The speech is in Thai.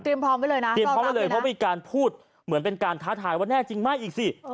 พร้อมไว้เลยนะเตรียมพร้อมไว้เลยเพราะมีการพูดเหมือนเป็นการท้าทายว่าแน่จริงไม่อีกสิ